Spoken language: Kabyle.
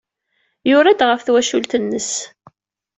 Yura-d ɣef twacult-nnes.